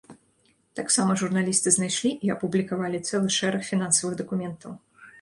Таксама журналісты знайшлі і апублікавалі цэлы шэраг фінансавых дакументаў.